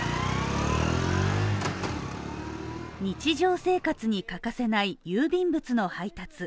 日常生活に欠かせない郵便物の配達。